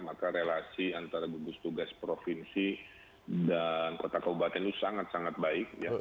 maka relasi antara gugus tugas provinsi dan kota kabupaten itu sangat sangat baik